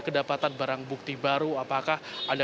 kedapatan barang bukti baru apakah ada